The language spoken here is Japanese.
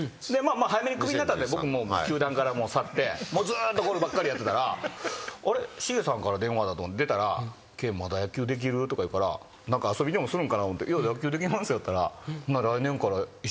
早めに首になったんで僕もう球団から去ってずっとゴルフばっかりやってたらあれ繁さんから電話だと思って出たら「憲まだ野球できる？」とか言うから何か遊びでもするんかな思って「いや野球できますよ」って言ったら。